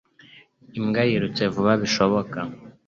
Imbwa yirutse vuba bishoboka.